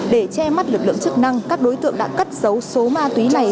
để che mắt lực lượng chức năng các đối tượng đã cất dấu số ma túy này